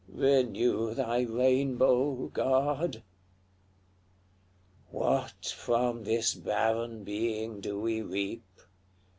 Renew thy rainbow, God! XCIII. What from this barren being do we reap?